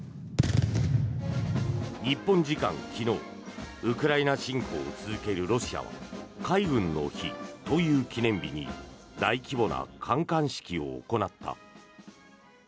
日本時間昨日ウクライナ侵攻を続けるロシアは海軍の日という記念日に大規模な観艦式を行った。